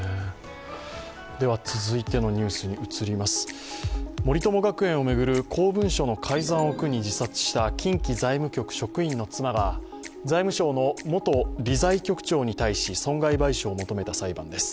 では続いて、森友学園を巡る公文書の改ざんを苦に自殺した近畿財務局職員の妻が財務省の元理財局長に対し損害賠償を求めた裁判です。